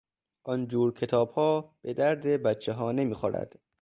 آنجور کتابها به درد بچهها نمیخورد.